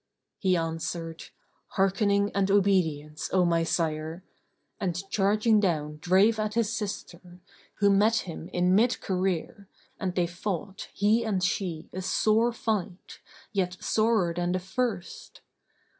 He answered, "Hearkening and obedience, O my sire, and charging down drave at his sister, who met him in mid career, and they fought, he and she, a sore fight, yet sorer than the first.